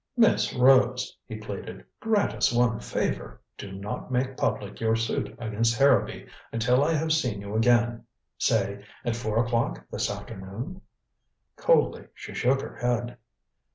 "Miss Rose," he pleaded, "grant us one favor. Do not make public your suit against Harrowby until I have seen you again say, at four o'clock this afternoon." Coldly she shook her head.